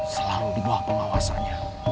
selalu dibuah pengawasannya